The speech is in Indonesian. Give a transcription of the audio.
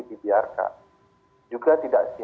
dprk juga tidak